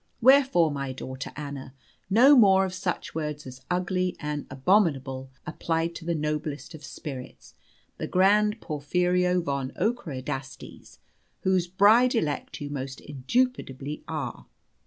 Wherefore, my daughter Anna, no more of such words as 'ugly and abominable' applied to the noblest of spirits, the grand Porphyrio von Ockerodastes, whose bride elect you most indubitably are.